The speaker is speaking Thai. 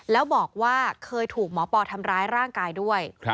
แล้วบอกว่าเคยถูกหมอปอทำร้ายร่างกายด้วย